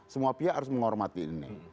semua pihak harus menghormati ini